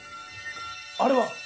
あれは？